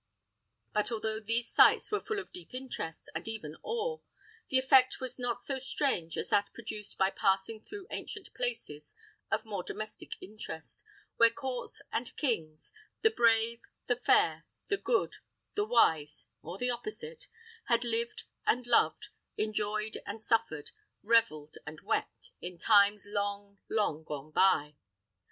But, although these sights were full of deep interest, and even awe, the effect was not so strange as that produced by passing through ancient places of more domestic interest, where courts and kings, the brave, the fair, the good, the wise, or their opposite, had lived and loved, enjoyed and suffered, reveled and wept, in times long, long gone by.